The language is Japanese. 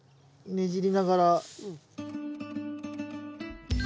ねじりながら。